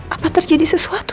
apa terjadi sesuatu